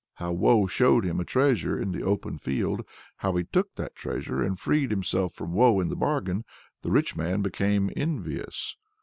How Woe showed him a treasure in the open field, how he took that treasure, and freed himself from Woe into the bargain. The rich man became envious.